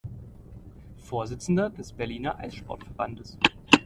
Vorsitzender des Berliner Eissport-Verbandes.